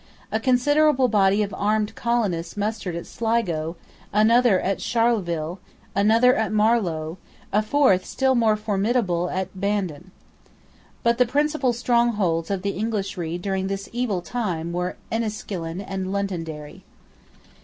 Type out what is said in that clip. A considerable body of armed colonists mustered at Sligo, another at Charleville, a third at Marlow, a fourth still more formidable at Bandon, But the principal strongholds of the Englishry during this evil time were Enniskillen and Londonderry.